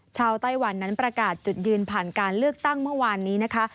ไต้หวันนั้นประกาศจุดยืนผ่านการเลือกตั้งเมื่อวานนี้นะคะ